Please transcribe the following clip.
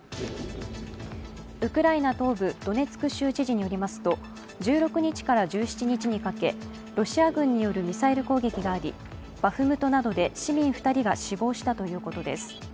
ウクライナ東部ドネツク州知事によりますと、１６日から１７日にかけ、ロシア軍によるミサイル攻撃があり、バフムトなどで市民２人が死亡したということです。